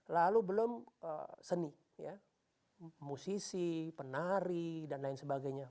lalu belum seni musisi penari dan lain sebagainya